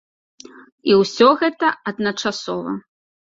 І ўсё гэта адначасова.